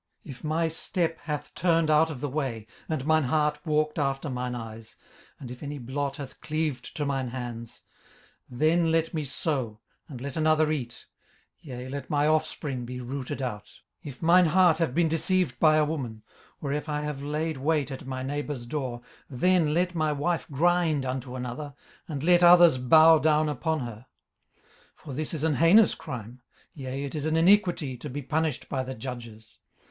18:031:007 If my step hath turned out of the way, and mine heart walked after mine eyes, and if any blot hath cleaved to mine hands; 18:031:008 Then let me sow, and let another eat; yea, let my offspring be rooted out. 18:031:009 If mine heart have been deceived by a woman, or if I have laid wait at my neighbour's door; 18:031:010 Then let my wife grind unto another, and let others bow down upon her. 18:031:011 For this is an heinous crime; yea, it is an iniquity to be punished by the judges.